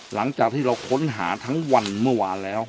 หลังจากที่เราค้นหาทั้งวันเมื่อวานแล้ว